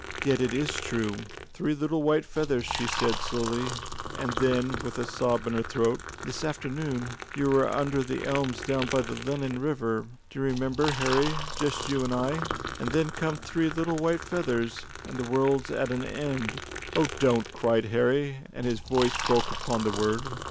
"Yet it is true." "Three little white feathers," she said slowly; and then, with a sob in her throat, "This afternoon we were under the elms down by the Lennon River do you remember, Harry? just you and I. And then come three little white feathers, and the world's at an end." "Oh, don't!" cried Harry, and his voice broke upon the word.